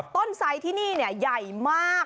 ต้นไซที่นี่เนี่ยใหญ่มาก